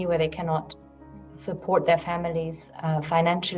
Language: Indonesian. di mana mereka tidak bisa mendukung keluarga mereka secara finansial